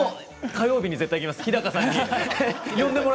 火曜日に絶対来ます。